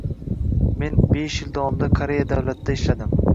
Men besh yil davomida Koreya davlatida ishladim